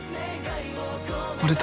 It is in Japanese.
俺と。